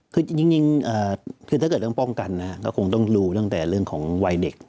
คือจริงคือถ้าเกิดเรื่องป้องกันก็คงต้องรู้ตั้งแต่เรื่องของวัยเด็ก